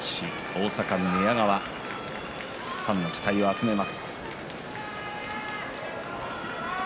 大阪寝屋川ファンの期待を集めます。